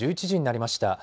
１１時になりました。